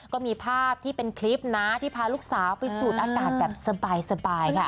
ก็มีภาพที่เป็นคลิปนะที่พาลูกสาวไปสูดอากาศแบบสบายค่ะ